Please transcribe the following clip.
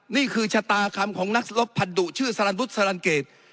นี่คือชะตาคำของนักศรกภัณฑุชื่อสรรดุสรรรเกต